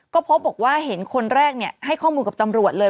ก็พบบอกว่าเห็นคนแรกให้ข้อมูลกับตำรวจเลย